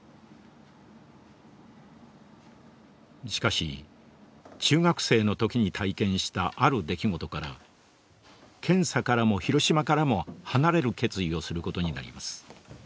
しかし中学生の時に体験したある出来事から検査からも広島からも離れる決意をする事になります。